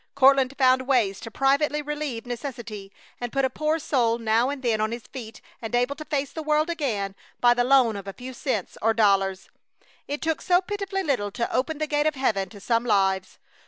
Courtland found ways to privately relieve necessity and put a poor soul now and then on his feet and able to face the world again by the loan of a few cents or dollars. It took so pitifully little to open the gate of heaven to some lives!